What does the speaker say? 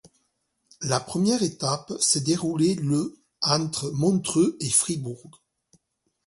La première étape s'est déroulée le entre Montreux et Fribourg.